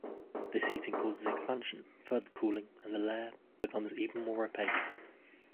This heating causes expansion, further cooling and the layer becomes even more opaque.